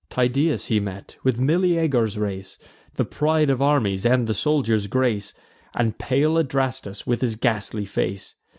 Tydeus he met, with Meleager's race, The pride of armies, and the soldiers' grace; And pale Adrastus with his ghastly face.